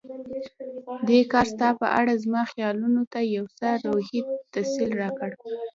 دې کار ستا په اړه زما خیالونو ته یو څه روحي تسل راکړ.